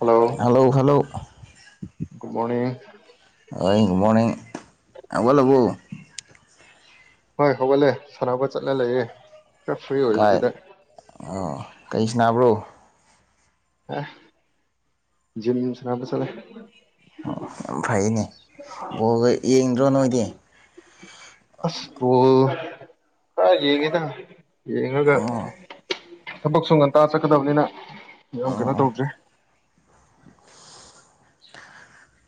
ꯍꯜꯂꯧ hello hello good morning [unintelligible] ꯒꯨ morning ꯍꯧꯒꯠꯂꯕꯣ? ꯍꯣꯏ ꯍꯧꯒꯠꯂꯦ ꯁꯥꯟꯅꯕ ꯆꯠꯂꯥ ꯂꯩꯌꯦ ꯈꯔ ꯐ꯭ꯔꯤ ꯀꯥꯏ ꯑꯣꯏꯕꯗꯨꯗ ꯑꯣ ꯀꯩ ꯁꯟꯅꯥꯕ꯭ꯔꯣ? ꯍꯥ ꯖꯤꯝ ꯁꯟꯅꯥꯕ ꯆꯠꯂꯦ ꯑꯣ ꯌꯥꯝ ꯐꯩꯅꯦ ꯕꯣꯜ ꯂꯣꯏ ꯑꯁ ꯕꯣꯜ ꯈꯔ ꯌꯦꯡꯉꯦꯗ ꯌꯦꯡꯉꯒ ꯑꯣ ꯊꯕꯛ ꯁꯨ ꯉꯟꯇꯥ ꯆꯠꯀꯗꯕꯅꯤꯅ ꯌꯥꯝ ꯀꯩꯅꯣ ꯑꯣ ꯑꯣ ꯇꯧꯗ꯭ꯔꯦ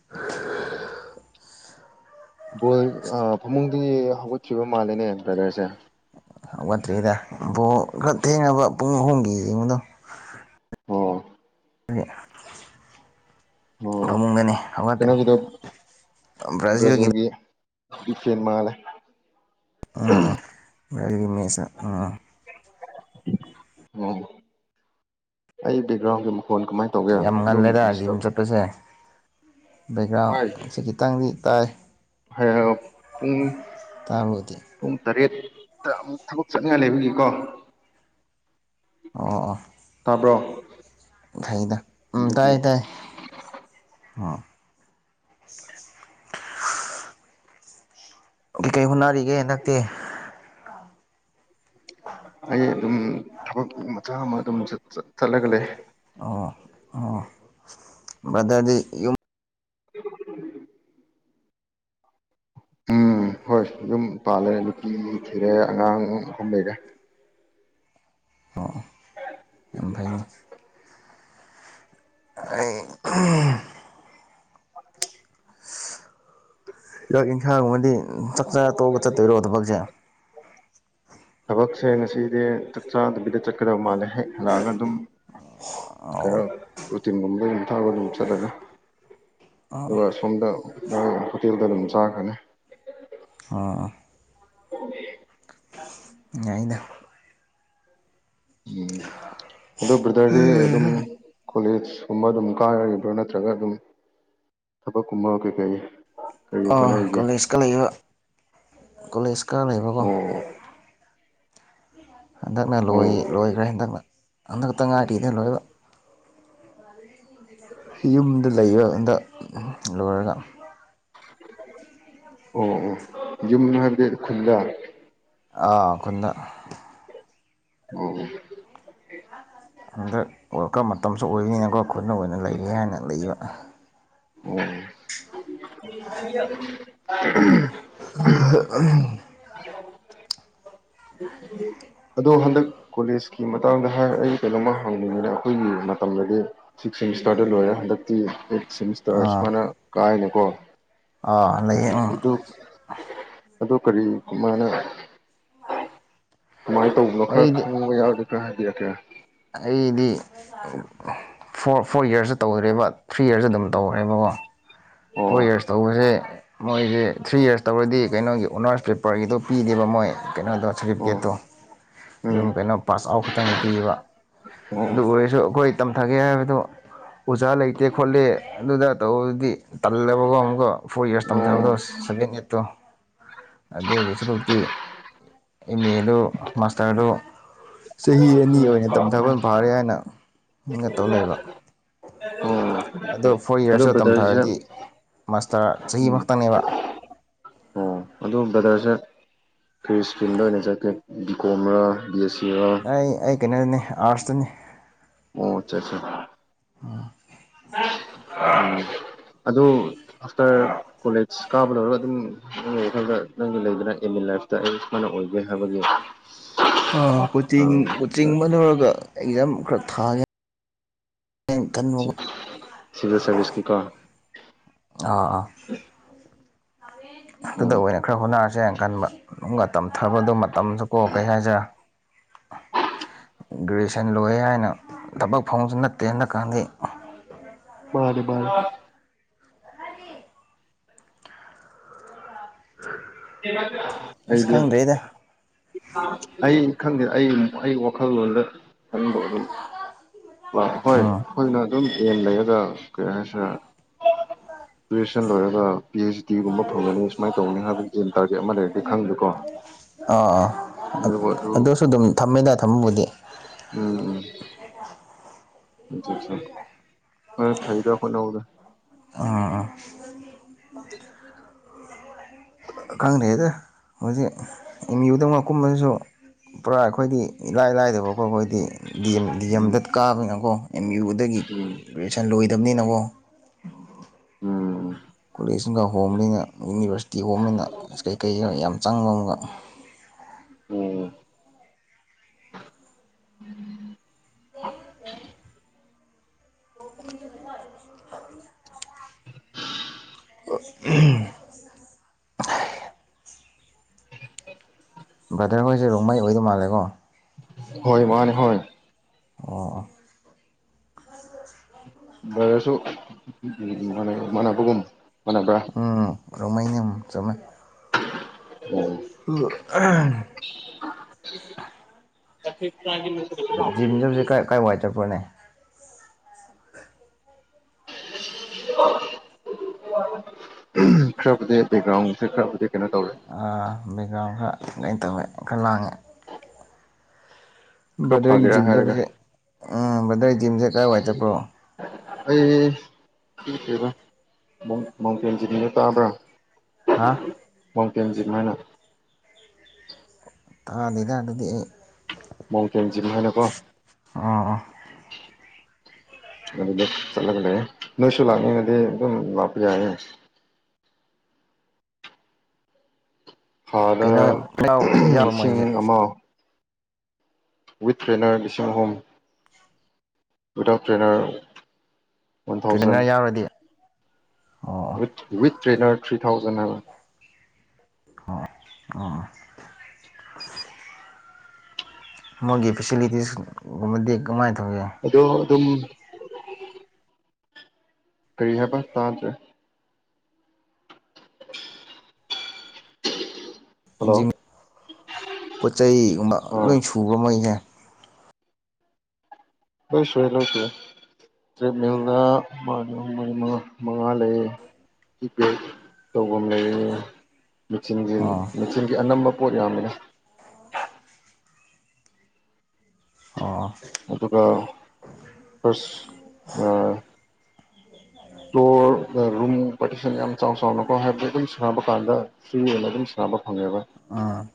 [inaudible] ꯕꯣꯜ ꯐꯃꯨꯡꯗꯩ ꯌꯦꯡꯉ ꯍꯧꯒꯠꯈꯤꯕ ꯃꯥꯜꯂꯦꯅꯦ ꯕ꯭ꯔꯗꯔꯁꯦ ꯍꯧꯒꯠꯇ꯭ꯔꯤꯗ ꯕꯣ ꯈꯔ ꯊꯦꯡꯉꯕ ꯄꯨꯡ ꯑꯍꯨꯝꯒꯤ ꯌꯦꯡꯕꯗꯣ ꯑꯣ ꯑꯣ [inaudible] ꯐꯃꯨꯡꯗꯅꯦ ꯍꯧꯒꯠꯇꯔꯤ ꯀꯩꯅꯣꯒꯤꯗꯣ ꯕ꯭ꯔꯥꯖꯤꯜꯒꯤ ꯁꯦꯜ ꯃꯥꯉꯜꯂꯦ ꯎꯝ ꯎꯝ [unintelligible] ꯒꯤ ꯃꯦꯁ ꯎꯝ ꯎꯝ ꯑꯩ ꯕꯦꯛꯒ꯭ꯔꯥꯎꯒꯤ ꯃꯈꯣꯟ ꯀꯃꯥꯏ ꯌꯥꯝ ꯉꯜꯂꯦꯗ ꯖꯤꯝ ꯆꯠ ꯄꯁꯦ ꯍꯣꯏ ꯕꯦꯛꯒ꯭ꯔꯥꯎꯟꯁꯦ ꯈꯤꯇꯪꯗꯤ ꯇꯥꯏ [unintelligible] ꯄꯨꯡ ꯇꯥꯕꯕꯨꯗꯤ ꯄꯨꯡ ꯇꯔꯦꯠꯇ ꯑꯃꯨꯛ ꯊꯕꯛ ꯆꯠꯅꯤꯡꯉꯥꯏ ꯂꯩꯕꯒꯤꯀꯣ ꯑꯣ ꯑꯣ ꯇꯥꯕ꯭ꯔꯣ ꯐꯩꯗ ꯎꯝ ꯑꯗꯨꯒꯤ ꯇꯥꯏ ꯇꯥꯏ ꯎꯝ ꯀꯩ ꯀꯩ ꯍꯣꯠꯅꯔꯤꯒꯦ ꯅꯪꯗꯤ ꯑꯩ ꯑꯗꯨꯝ ꯊꯕꯛ ꯃꯆꯥ ꯑꯃ ꯑꯗꯨꯝ ꯆꯠꯂꯒ ꯂꯩ ꯑꯣ ꯑꯣ ꯕ꯭ꯔꯗꯔꯗꯤ ꯌꯨꯝ [inaudible] ꯎꯝ ꯍꯣꯏ ꯌꯨꯝ ꯄꯥꯜꯂꯦ ꯅꯨꯄꯤ ꯊꯤꯔꯦ ꯑꯉꯥꯡ ꯑꯍꯨꯝ ꯂꯩꯔꯦ ꯑꯣ ꯑꯣ ꯌꯥꯝ ꯐꯩꯅꯦ ꯑꯩ [inaudible] ꯆꯥꯛ ꯏꯟꯁꯥꯡꯒꯨꯝꯕꯗꯤ ꯆꯥꯛꯆꯥ ꯇꯣꯛꯑꯒ ꯆꯠꯇꯣꯏꯔꯣ ꯊꯕꯛꯁꯦ ꯊꯕꯛꯁꯦ ꯉꯁꯤꯗꯤ ꯆꯥꯛ ꯆꯥꯗꯕꯤꯗ ꯆꯠꯀꯗꯕ ꯃꯥꯜꯂꯦ ꯍꯦꯛ ꯍꯜꯂꯛꯑꯒ ꯑꯗꯨꯝ ꯀꯩꯅꯣ ꯄ꯭ꯔꯣꯇꯤꯟꯒꯨꯝꯕ ꯗꯨꯝ ꯊꯛꯑꯒ ꯑꯗꯨꯝ ꯆꯠꯂꯅꯤ ꯑꯗꯨꯒ ꯁꯣꯝꯗ ꯍꯣꯇꯦꯜꯗ ꯑꯗꯨꯝ ꯆꯥꯈꯅꯤ ꯑꯥ [inaudible] ꯌꯥꯏꯅ [unintelligible] ꯑꯗꯣ ꯕ꯭ꯔꯗꯔꯗꯤ ꯑꯗꯨꯝ ꯀꯣꯂꯦꯖꯀꯨꯝꯕ ꯑꯗꯨꯝ ꯀꯥꯅꯔꯤꯕ꯭ꯔꯥ ꯅꯠꯇ꯭ꯔꯒ ꯑꯗꯨꯝ ꯊꯕꯛ ꯀꯨꯝꯕ ꯀꯩ ꯀꯩ ꯑ ꯀꯣꯂꯦꯖꯀ ꯂꯩꯕ ꯀꯣꯂꯦꯖ ꯀꯥꯔ ꯂꯩꯕꯀꯣ ꯑꯣ ꯍꯟꯗꯛꯅ ꯂꯣꯏ ꯑꯣ ꯂꯣꯏꯈ꯭ꯔꯦ ꯍꯟꯗꯛꯅ ꯍꯟꯗꯛꯇ ꯉꯥꯏꯔꯤꯗ ꯂꯣꯏꯕ ꯌꯨꯝꯗ ꯂꯩꯕ ꯍꯟꯗꯛ ꯂꯣꯏꯔꯒ ꯑꯣ ꯑꯣ ꯌꯨꯝ ꯍꯥꯏꯕꯗꯤ ꯈꯨꯟꯗ ꯑꯥ ꯈꯨꯟꯗ ꯑꯣ ꯍꯟꯗꯛ ꯋ꯭ꯔꯀꯞ ꯃꯇꯝꯁꯨ ꯑꯣꯏꯕꯅꯤꯅꯀꯣ ꯈꯨꯟꯗ ꯑꯣꯏꯅ ꯂꯩꯒꯦ ꯍꯥꯏꯅ ꯂꯩꯕ ꯑꯣ [inaudible] [unintelligible] [unintelligible] [inaudible] ꯑꯗꯣ ꯍꯟꯗꯛ ꯀꯣꯂꯦꯖꯀꯤ ꯃꯇꯥꯡꯗ ꯍꯥꯏꯔ ꯑꯩ ꯀꯩꯅꯣꯝꯃ ꯍꯪꯅꯤꯡꯉꯤꯕꯅꯦ ꯑꯩꯈꯣꯏꯒꯤ ꯃꯇꯝꯗꯗꯤ ꯁꯤꯛꯁ ꯁꯦꯃꯤꯁꯇꯥꯔꯗ ꯂꯣꯏꯔꯦ ꯍꯟꯗꯛꯇꯤ ꯑꯩꯠ ꯁꯦꯃꯤꯁꯇꯔ ꯑꯥ ꯁꯨꯃꯥꯏꯅ ꯀꯥꯏꯅ ꯀꯣ ꯑꯥ ꯂꯩꯌꯦ ꯎꯝ ꯑꯗꯨ ꯑꯗꯨ ꯀꯔꯤ ꯀꯃꯥꯏꯅ ꯀꯃꯥꯏꯅ ꯇꯧꯕꯅꯣ ꯈꯔ ꯑꯩꯗꯤ ꯈꯪꯕ ꯌꯥꯎꯔꯗꯤ ꯈꯔ ꯍꯥꯏꯕꯤꯔꯛꯀꯦꯔꯥ ꯑꯩꯗꯤ ꯐꯣꯔ ꯐꯣꯔ ꯏꯌ꯭ꯔꯁꯇ ꯇꯧꯗ꯭ꯔꯦꯕ ꯊ꯭ꯔꯤ ꯏꯌ꯭ꯔꯁꯇ ꯑꯗꯨꯝ ꯇꯧꯈꯔꯦꯕꯀꯣ ꯐꯣꯔ ꯑꯣ ꯌꯔꯁ ꯇꯧꯕꯁꯦ ꯃꯣꯏꯁꯦ ꯊ꯭ꯔꯤ ꯏꯔꯁ ꯇꯧꯔꯗꯤ ꯀꯩꯅꯣꯒꯤ ꯑꯣꯅꯔꯁ ꯄꯦꯄꯔꯒꯤꯗꯣ ꯄꯤꯗꯦꯕ ꯃꯣꯏ ꯀꯩꯅꯣꯗꯣ ꯑꯣ ꯁꯥꯔꯇꯤꯐꯤꯀꯦꯠꯇꯣ ꯎꯝ ꯑꯗꯨꯝ ꯀꯩꯅꯣ ꯄꯥꯁ ꯑꯥꯎꯠ ꯈꯛꯇꯪꯒꯤ ꯄꯤꯕ ꯑꯣ ꯑꯗꯨ ꯑꯣꯏꯔꯁꯨ ꯑꯩꯈꯣꯏ ꯇꯝꯊꯒꯦ ꯍꯥꯏꯕꯗꯨ ꯑꯣꯖꯥ ꯂꯩꯇꯦ ꯈꯣꯠꯂꯦ ꯑꯗꯨꯗ ꯇꯧꯕꯗꯤ ꯇꯜꯂꯕꯀꯣ ꯑꯃꯨꯛꯀ ꯐꯣꯔ ꯌꯔꯁ ꯑꯣ ꯇꯝꯊꯕꯗꯣ ꯎꯝ ꯁꯕꯦꯟ ꯑꯩꯠꯇꯣ ꯑꯗꯨꯗ ꯌꯦꯁꯠꯇꯤ ꯑꯦꯝ ꯑꯦ ꯑꯦꯗꯣ ꯃꯥꯥꯁꯇꯔꯗꯣ ꯆꯍꯤꯦꯍꯤ ꯑ ꯃꯤꯅꯤ ꯑꯣꯏꯅ ꯇꯝꯊꯐꯝ ꯐꯥꯔꯦ ꯍꯥꯏꯅꯒ ꯇꯧ ꯂꯩꯕ ꯑꯣ ꯑꯗꯣ ꯐꯣꯔ ꯑꯗꯣ ꯌꯔꯁꯇ ꯕ꯭ꯔꯗꯔꯁꯦ ꯇꯝꯊꯔꯗꯤ ꯃꯥꯁꯇꯔ ꯆꯍꯤ ꯈꯛꯇꯪꯅꯦꯕ ꯑꯗꯨ ꯕ꯭ꯔꯗꯔꯁꯦ ꯐ꯭ꯔꯤ ꯏꯁꯀ꯭ꯔꯤꯟꯗ ꯑꯣꯏꯅ ꯆꯠꯀꯦ ꯕꯤ ꯀꯣꯝꯔꯥ ꯕꯤ ꯑꯦꯁ ꯁꯤꯔ ꯑꯩ ꯑꯩ ꯀꯩꯅꯣꯗꯅꯤ ꯑꯥꯔꯠꯁꯇꯅꯤ ꯑꯣꯆꯥꯆꯥ ꯑꯗꯨ ꯑꯥꯐꯇꯔ ꯀꯣꯂꯦꯖ ꯀꯥꯕ ꯂꯧꯔꯒ ꯑꯗꯨꯝ ꯅꯪꯒꯤ ꯃꯐꯝꯗ ꯅꯪꯒꯤ ꯂꯩꯗꯅ ꯑꯦꯦꯝꯃꯤꯟ ꯂꯥꯏꯐꯇ ꯑꯩ ꯁꯃꯥꯏꯅ ꯑꯣꯏꯒꯦ ꯍꯥꯏꯕꯒꯤ ꯀꯣꯆꯤꯡ ꯀꯣꯆꯤꯡ ꯑꯃ ꯂꯧꯔꯒ ꯑꯦꯛꯖꯥꯝ ꯈꯔ ꯊꯥꯒꯦ ꯁꯤꯚꯤꯜ ꯁꯥꯔꯚꯤꯁꯀꯤꯀꯣ [unintelligible] ꯑꯥ ꯑꯥ ꯑꯗꯨꯗ ꯑꯣ ꯑꯣꯏꯅ ꯈꯔ ꯍꯣꯠꯅꯔꯁꯦꯅ ꯈꯟꯕ ꯇꯝꯊꯕꯗꯣ ꯃꯇꯝꯁꯨ ꯀꯣ ꯀꯩ ꯍꯥꯏꯁꯔ ꯒ꯭ꯔꯦꯖꯨꯌꯦꯁꯟ ꯂꯣꯏ ꯍꯥꯏꯅ ꯊꯕꯛ ꯐꯪꯕꯁꯨ ꯅꯠꯇꯦ ꯍꯟꯗꯛꯀꯥꯟꯗꯤ ꯔꯦ ꯔꯦ ꯑꯁ ꯍꯥꯏꯗꯤ ꯈꯪꯗ꯭ꯔꯦꯗ ꯑꯩ ꯈꯪꯗꯦ ꯑꯩ ꯑꯩ ꯋꯥꯈꯜꯂꯣꯟꯗ ꯊꯟꯕ ꯑꯗꯨ ꯍꯣꯏ ꯎꯝ ꯑꯩꯈꯣꯏꯅ ꯑꯗꯨꯝ ꯑꯦꯝ ꯂꯩꯔꯒ ꯀꯩ ꯍꯥꯏꯁꯤꯦ ꯒ꯭ꯔꯦꯖꯨꯌꯦꯁꯟ ꯂꯣꯏꯔꯒ ꯄꯤ ꯑꯩꯆ ꯇꯤꯒꯨꯝꯕ ꯊꯣꯡꯒꯅꯤ ꯁꯨꯃꯥꯏꯅ ꯇꯧꯅꯤ ꯍꯥꯏꯕꯒꯤꯟ ꯇꯥꯔꯒꯦꯠ ꯑꯃ ꯂꯩꯔꯒꯗꯤ ꯈꯪꯗꯦꯀꯣ ꯑꯥ ꯑꯥ ꯑꯗꯨꯕꯨ ꯑꯗꯨ ꯑꯗꯨꯁꯨ ꯑꯗꯨꯝ ꯊꯝꯃꯦꯗ ꯊꯝꯃꯕꯨꯗꯤ ꯎꯝ ꯑ ꯀ ꯐꯥꯏꯗ ꯐꯅ ꯑꯣꯏꯗ ꯑꯥ ꯈꯪꯗ꯭ꯔꯦ ꯍꯦꯗ ꯍꯧꯖꯤꯛ ꯑꯦꯝ ꯌꯨꯗꯧ ꯑꯃ ꯀꯨꯝꯕꯗꯨꯁꯨ ꯄꯨꯔꯥ ꯑꯩꯈꯣꯏꯗꯤ ꯏꯂꯥꯏ ꯂꯥꯏꯗꯕꯀꯣꯠ ꯑꯩꯈꯣꯏꯗꯤ ꯗꯤ ꯑꯦꯝ ꯗꯤ ꯎꯝ ꯑꯦꯝꯗ ꯀꯥꯕꯅꯤꯅꯀꯣ ꯑꯦꯝ ꯌꯨꯗꯒꯤ ꯎꯝ ꯒ꯭ꯔꯦꯖꯨꯑꯦꯁꯟ ꯂꯣꯏꯗꯕꯅꯤꯅꯀꯣ ꯎꯝ ꯀꯣꯂꯦꯖ ꯑꯃꯒ ꯍꯣꯝ ꯂꯩꯅ ꯌꯨꯅꯤꯚꯔꯁꯤꯇꯤ ꯍꯣꯝꯅꯤꯅ ꯀꯩꯀꯩꯒ ꯌꯥꯝ ꯆꯪꯕ ꯑꯃꯒ ꯎꯝ [inaudible] [inaudible] [inaudible] ꯎꯝ ꯕ꯭ꯔꯗꯔꯈꯣꯏꯁꯦ ꯔꯣꯡꯃꯩ ꯑꯣꯏꯗꯧ ꯃꯥꯜꯂꯦꯀꯣ ꯍꯣꯏ ꯃꯥꯅꯦ ꯍꯣꯏ ꯑꯣ ꯁꯨ ꯃꯥ ꯃꯥꯟꯅꯕꯒꯨꯝ ꯃꯥꯟꯅꯕ꯭ꯔꯥ ꯎꯝ ꯔꯃꯥꯏꯅ ꯃ ꯆꯃ ꯎꯝ ꯑ ꯀꯦ ꯇꯒꯤ ꯂ ꯖꯤꯝꯗꯁꯦ ꯀꯥꯏ ꯀꯥꯏꯏ ꯋꯥꯏ ꯆꯠꯄ꯭ꯔꯣꯅꯦ [inaudible] ꯈꯔꯕꯨꯗꯤ ꯕꯦꯛꯒ꯭ꯔꯥꯎꯟꯁꯦ ꯈꯔꯕꯨꯗꯤ ꯀꯩꯅꯣ ꯇꯧꯔꯦ ꯕꯦꯛꯒ꯭ꯔꯥꯎꯟ ꯈꯔ ꯀꯩꯅꯣ ꯇꯧꯋꯦ ꯈꯔ ꯂꯥꯡꯉꯦ ꯈꯔ ꯕꯗꯔꯒꯤ ꯐꯒꯦꯔꯥ ꯖꯤꯝ ꯍꯥꯏꯔꯒ ꯆꯠꯄꯁꯦ ꯕ꯭ꯔꯗꯔꯒꯤ ꯖꯤꯝꯁꯦ ꯀꯥꯏꯋꯥꯏ ꯆꯠꯄ꯭ꯔꯣ ꯑꯩ ꯀꯕ [unintelligible] ꯃꯥꯎꯟꯇꯦꯟ ꯖꯤꯝꯅ ꯇꯥꯕ꯭ꯔꯥ ꯍꯥ ꯃꯥꯎꯇꯦꯟ ꯖꯤꯝ ꯍꯥꯏꯅ ꯇꯥꯗꯦꯗ ꯑꯗꯨꯗꯤ ꯑꯩ ꯃꯥꯎꯇꯦꯟ ꯖꯤꯝ ꯍꯥꯏꯅꯀꯣ ꯑꯣ ꯑꯣ ꯑꯗꯨꯗ ꯆꯠꯂꯒ ꯂꯩꯌꯦ ꯅꯣꯏꯁꯨ ꯂꯥꯛꯅꯤꯡꯉꯗꯤ ꯑꯗꯨꯝ ꯂꯥꯛꯄ ꯌꯥꯏꯌꯦ ꯊꯥꯗ ꯀꯩꯅꯣ ꯌꯥꯎꯔ ꯃꯣꯏꯁꯦ ꯂꯤꯁꯤꯡ ꯑꯃ ꯋꯤꯠ ꯇ꯭ꯔꯦꯅꯔ ꯂꯤꯁꯤꯡ ꯑꯍꯨꯝ without trainer one thousand trainer ꯌꯥꯎꯔꯗꯤ ꯑꯣ ꯑꯣ with with trainer three thousand ꯍꯥꯏꯕ ꯑꯣ ꯑꯣ ꯃꯣꯏꯒꯤ ꯐꯦꯁꯤꯂꯤꯇꯤꯁꯒꯨꯝꯕꯗꯤ ꯀꯃꯥꯏ ꯇꯧꯏ ꯑꯗꯣ ꯑꯗꯨꯝ ꯀꯔꯤ ꯍꯥꯏꯕ ꯇꯥꯗꯔꯦ ꯍꯜꯂꯣ ꯖꯤꯝ ꯄꯣꯠ ꯆꯩꯩꯒꯨꯝꯕ ꯑꯥ ꯂꯣꯏ ꯁꯨꯕ ꯅꯣꯏꯁꯦ ꯂꯣꯏ ꯁꯨꯏ ꯌꯦ ꯂꯣꯏ ꯁꯨꯏ ꯌꯦ ꯇꯔꯤꯞꯃꯤꯜꯗ ꯃꯉꯥꯂꯦ [unintelligible] ꯀꯤꯄꯦꯗ ꯇꯧꯐꯝ ꯂꯩ ꯃꯦꯆꯤꯟꯒꯤ ꯑꯣ ꯃꯦꯆꯤꯟꯒꯤ ꯑꯅꯝꯕ ꯄꯣꯠ ꯌꯥꯝꯃꯤꯅ ꯑꯣ ꯑꯗꯨꯒ ꯐꯥꯔꯁ ꯑꯥ ꯐ꯭ꯂꯣꯔ ꯔꯨꯝ ꯄꯔꯇꯤꯁꯟ ꯌꯥꯝꯅ ꯆꯥꯎ ꯆꯥꯎꯅꯀꯣ ꯍꯥꯏꯕꯗꯤ ꯑꯗꯨꯝ ꯁꯥꯟꯅꯕ ꯀꯥꯟꯗ ꯐꯔ꯭ꯤ ꯑꯣꯏꯅ ꯑꯗꯨꯝ ꯁꯥꯅꯕ ꯐꯪꯉꯦꯕ ꯎꯝ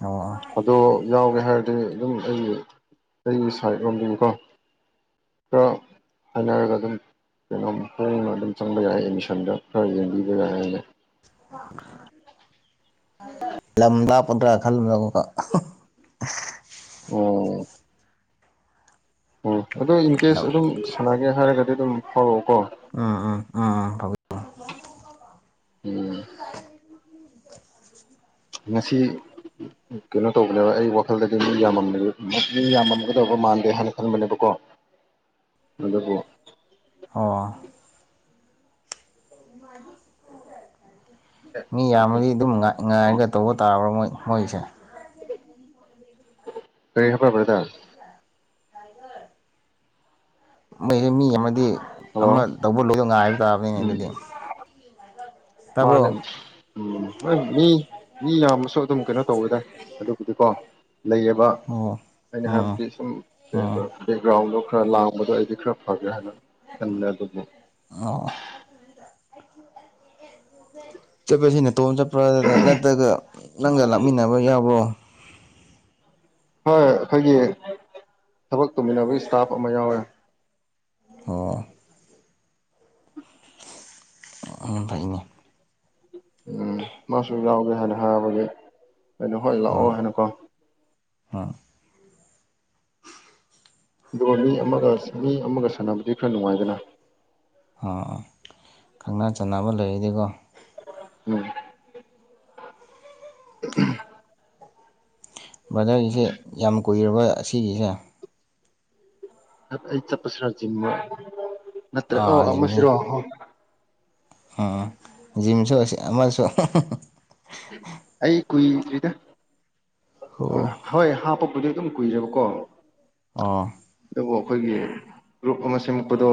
ꯑꯣ ꯑꯗꯣ ꯌꯥꯎꯒꯦ ꯍꯥꯏꯔꯗꯤ ꯑꯗꯨꯝ ꯑꯩꯒꯤ ꯑꯩꯒꯤ ꯁꯥꯏꯠ ꯂꯣꯝꯗꯒꯤꯀꯣ ꯈꯔ ꯍꯥꯏꯅꯔꯒ ꯑꯗꯨꯝ ꯀꯩꯅꯣꯝ ꯍꯣꯡꯅ ꯑꯗꯨꯝ ꯆꯪꯕ ꯌꯥꯏ ꯑꯦꯗꯃꯤꯁꯟꯗ ꯈꯔ ꯌꯦꯡꯕꯤꯕ ꯌꯥꯏ ꯍꯥꯏꯅ ꯂꯝꯗꯄꯗ꯭ꯔꯥ ꯈꯜꯕ [unintelligible] ꯑꯣ ꯑꯣ ꯑꯗꯣ ꯏꯟ ꯀꯦꯁ ꯑꯗꯨꯝ ꯁꯥꯟꯅꯒꯦ ꯍꯥꯏꯔꯒꯗꯤ ꯑꯗꯨꯝ ꯐꯥꯎꯔꯛꯑꯣ ꯀꯣ ꯎꯝ ꯎꯝ ꯎꯝ ꯎ ꯎꯝ ꯉꯁꯤ ꯀꯩꯅꯣ ꯇꯧꯕꯅꯦꯕ ꯑꯩ ꯋꯥꯈꯜꯗꯗꯤ ꯃꯤ ꯌꯥꯝꯃꯝꯒꯦ ꯃꯤ ꯌꯥꯝꯃꯝꯒꯗꯧꯕ ꯃꯥꯟꯗꯦ ꯍꯥꯏꯅ ꯈꯟꯕꯅꯦꯕꯀꯣ ꯑꯗꯨꯕꯨ ꯑꯣ ꯃꯤ ꯌꯥꯝꯃꯗꯤ ꯑꯗꯨꯝ ꯉꯥꯏꯔꯒ ꯇꯧꯕ ꯇꯥꯔꯕ꯭ꯔꯥ ꯃꯣꯏ ꯃꯣꯏꯁꯦ ꯀꯔꯤ ꯍꯥꯏꯕ ꯕꯔꯗꯔ ꯃꯤ ꯃꯤ ꯌꯥꯝꯃꯗꯤ ꯍꯜꯂꯣ ꯑꯃ ꯇꯧꯕ ꯂꯣꯏꯗꯧ ꯉꯥꯏ ꯇꯥꯔꯕꯅꯤꯅꯦ ꯎꯝ ꯑꯗꯨꯗꯤ ꯇꯥꯕ꯭ꯔꯣ ꯃꯥꯅꯦ ꯎ ꯃꯤ ꯃꯤ ꯌꯥꯝꯃꯁꯨ ꯑꯗꯨꯝ ꯀꯩꯅꯣ ꯇꯧꯋꯦꯗꯥꯏ ꯑꯗꯨꯕꯨꯗꯤꯀꯣ ꯂꯩꯌꯦꯕ ꯑꯣ ꯑꯩꯅ ꯎꯝ ꯍꯥꯏꯕꯗꯤ ꯁꯨꯝ ꯎꯝ ꯕꯦꯛꯒ꯭ꯔꯥꯎꯟꯗꯣ ꯈꯔ ꯂꯥꯡꯕꯗꯣ ꯑꯩꯗꯤ ꯈꯔ ꯐꯒꯦ ꯍꯥꯏꯅ ꯈꯟꯕꯃꯦ ꯑꯗꯨꯕꯨ ꯥꯆꯠꯄ ꯦꯁꯤꯅ [unintelligible] ꯅꯠꯇ꯭ꯔꯒ ꯅꯪꯒ ꯂꯥꯛꯃꯤꯟꯅꯕ ꯌꯥꯕ꯭ꯥꯥꯔꯣ ꯍꯣꯏ ꯑꯩꯈꯣꯏꯒꯤ ꯊꯕꯛ ꯇꯧꯃꯤꯟꯅꯕ ꯏꯁꯇꯥꯐ ꯑꯃ ꯌꯥꯎꯋꯦ ꯑꯣ ꯑꯣ ꯐꯩꯅꯦ ꯎꯝ ꯃꯥꯁꯨ ꯌꯥꯎꯒꯦ ꯍꯥꯏꯅ ꯍꯥꯏꯕꯒꯤ ꯑꯩꯅꯣ ꯍꯣꯏ ꯂꯥꯛꯑꯣ ꯍꯥꯏꯅꯀꯣ ꯍꯥꯥ [unintelligible] ꯑꯗꯨꯒ ꯃꯤ ꯑꯃꯒ ꯃꯤ ꯑꯃꯒ ꯁꯥꯟꯅꯕꯗꯤ ꯈꯔ ꯅꯨꯡꯉꯥꯏꯗꯅ ꯑꯥ ꯈꯪꯅꯥ ꯆꯟꯅꯕ ꯂꯩꯔꯗꯤꯀꯣ ꯎꯝ ꯕ꯭ꯔꯗꯔꯒꯤꯁꯦ ꯌꯥꯝ ꯀꯨꯏꯔꯕ ꯑꯁꯤꯒꯤꯁꯦ [unintelligible] ꯅꯠꯇ꯭ꯔ ꯑꯣ ꯑꯥ ꯑꯃ ꯖꯤꯝꯁꯦ ꯁꯤꯔꯣ ꯎꯝ ꯖꯤꯝꯁꯨ ꯑꯃꯁꯨ ꯑꯩ ꯀꯨꯏꯗꯔꯤꯗꯥ ꯍꫭ ꯍꯣꯏ ꯍꯥꯞꯄꯕꯨꯗꯤ ꯑꯗꯨꯝ ꯀꯨꯏꯔꯦꯕꯀꯣ ꯑꫭ ꯑꯗꯨꯕꯨ ꯑꯩꯈꯣꯏꯒꯤ ꯒ꯭ꯔꯨꯞ ꯑꯃ ꯁꯦꯝꯃꯛꯄꯗꯣ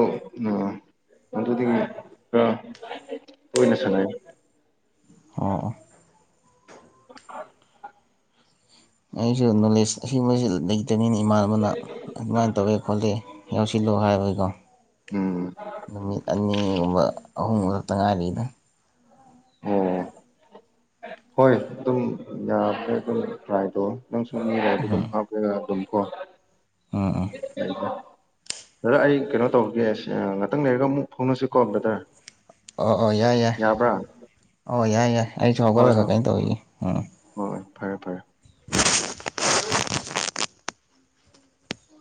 ꯑꯗꯨꯗꯤ ꯈꯔ ꯇꯣꯏꯅ ꯁꯥꯟꯅꯩ ꯑꯣ ꯑꫭ [unintelligible] ꯑꯩꯁꯨ ꯅꯣꯂꯦꯖ ꯑꯁꯤꯕꯁꯤ ꯂꯩ ꯇꯦꯅꯤꯅ ꯏꯃꯥꯟꯅꯕꯅ ꯑꯗꯨꯃꯥꯏꯅ ꯇꯧꯋꯦ ꯈꯣꯠꯂꯦ ꯌꯥꯎꯁꯤꯜꯂꯣ ꯍꯥꯏꯕꯒꯤꯀꯣ ꯎꯝ ꯅꯨꯃꯤꯠ ꯑꯅꯤꯒꯨꯝꯕ ꯑꯍꯨꯝꯒꯨꯝꯕ ꯈꯛꯇ ꯉꯥꯏꯔꯤꯗ ꯑꫭ ꯍꯣꯏ ꯑꯗꯨꯝ ꯌꯥ꯭ꯔꯦ ꯑꯗꯨꯝ ꯇ꯭ꯔꯥꯏꯗꯣ ꯅꯪ ꯁꯨꯝꯔꯗꯤ ꯑꯗꯨꯝ ꯍꯥꯞꯄ ꯑꯗꯨꯝ ꯀꫭ ꯎꯝ ꯎꯝ [inaudible] ꯕꯗꯔ ꯑꯩ ꯀꯩꯅꯣ ꯇꯧꯔꯒꯦ ꯉꯥꯛꯇꯪ ꯂꯩꯔꯒ ꯑꯃꯨꯛ ꯐꯥꯎꯅꯁꯤꯀꯣ ꯕꯗꯔ ꯑꯣ ꯑꯣ ꯌꯥꯏ ꯌꯥꯏ ꯑꯣ ꯌꯥꯏ ꯌꯥꯏ ꯑꯩꯁꯨ ꯍꯣꯏ ꯍꯧꯒꯠꯂꯒ ꯀꯩꯅꯣ ꯇꯧꯔꯤꯋꯤꯒꯦꯎꯝ ꯍꯣꯏ ꯍꯣꯏ ꯐꯔꯦ ꯐꯔꯦ